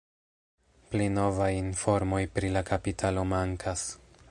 Pli novaj informoj pri la kapitalo mankas.